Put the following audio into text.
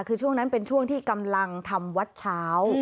คือช่วงนั้นเป็นช่วงที่กำลังทำวัดเช้า